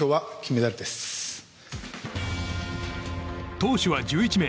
投手は１１名。